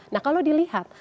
nah kalau dilihat